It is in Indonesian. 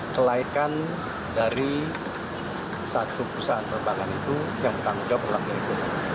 kelaikan dari satu perusahaan penerbangan itu yang tanggung jawab berlaku